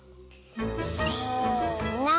せの。